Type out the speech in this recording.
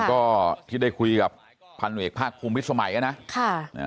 ผมก็ที่ได้คุยกับภาณวิทยุคภาคภูมิพิสมัยนะ